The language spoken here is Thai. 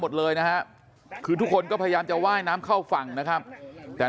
หมดเลยนะฮะคือทุกคนก็พยายามจะว่ายน้ำเข้าฝั่งนะครับแต่